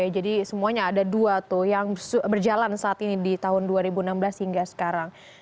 jadi semuanya ada dua tuh yang berjalan saat ini di tahun dua ribu enam belas hingga sekarang